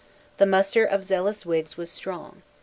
The muster of zealous Whigs was strong.